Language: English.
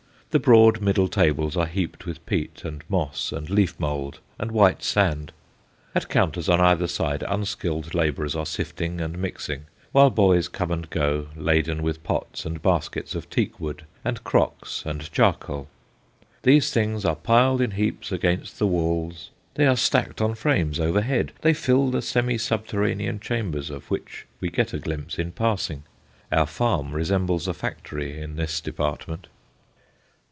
The broad middle tables are heaped with peat and moss and leaf mould and white sand. At counters on either side unskilled labourers are sifting and mixing, while boys come and go, laden with pots and baskets of teak wood and crocks and charcoal. These things are piled in heaps against the walls; they are stacked on frames overhead; they fill the semi subterranean chambers of which we get a glimpse in passing. Our farm resembles a factory in this department.